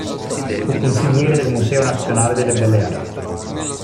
Fu consigliere del Museo nazionale delle belle arti.